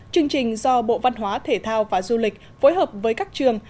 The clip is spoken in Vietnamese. chương trình do bộ văn hóa thể thao và du lịch phối hợp với các trường